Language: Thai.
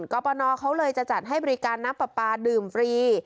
กรปนเขาเลยจะจัดให้บริการน้ำปลาปลาดื่มฟรี